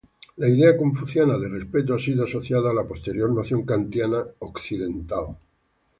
La idea confuciana de respeto ha sido asociada a la posterior noción kantiana occidental.